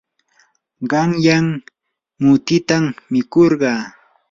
qanyan mutitam mikurqaa.